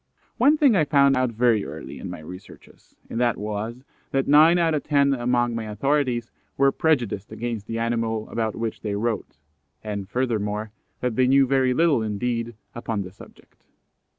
One thing I found out very early in my researches, and that was, that nine out of ten among my authorities were prejudiced against the animal about which they wrote, and furthermore, that they knew very little indeed upon the subject.